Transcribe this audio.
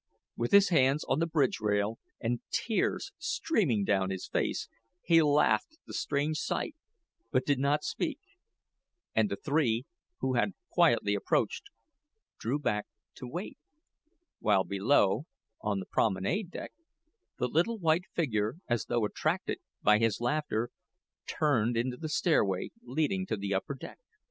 With his hands on the bridge rail, and tears streaming down his face, he laughed at the strange sight, but did not speak; and the three, who had quietly approached, drew back to await, while below on the promenade deck, the little white figure, as though attracted by his laughter, turned into the stairway leading to the upper deck.